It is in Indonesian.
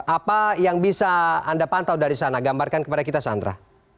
apa yang bisa anda pantau dari sana gambarkan kepada kita sandra